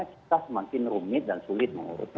kita semakin rumit dan sulit mengurutkan